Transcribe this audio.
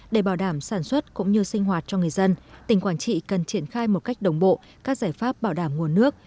để bảo đảm sản xuất cũng như sinh hoạt cho người dân tỉnh quảng trị cần triển khai một cách đồng bộ các giải pháp bảo đảm nguồn nước